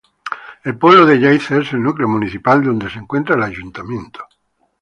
El pueblo de Yaiza es el núcleo municipal, donde se encuentra el ayuntamiento.